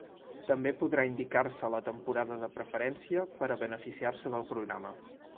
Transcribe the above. També podrà indicar-se la temporada de preferència per a beneficiar-se del programa.